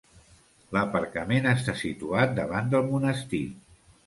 L'aparcament està situat davant del monestir.